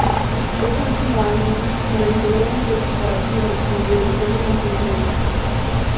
Ese último año, se reintegró a Un Techo Para Chile, como director de Construcciones.